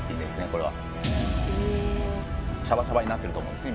これはシャバシャバになってると思うんですね